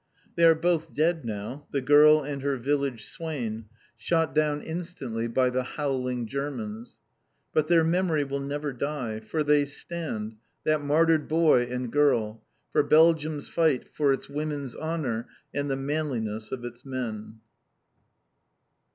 They are both dead now the girl and her village swain shot down instantly by the howling Germans. But their memory will never die; for they stand that martyred boy and girl, for Belgium's fight for its women's honour and the manliness of its men.